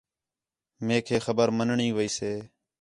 میک ہے خبر منݨی ویسے